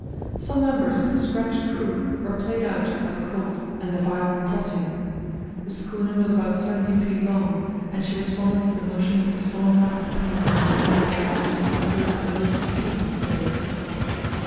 Some members of the scratch crew were played out by the cold and the violent tossing. The schooner was about seventy feet long, and she responded to the motions of the storm racked sea in a manner that might have disconcerted the most seasoned sailors.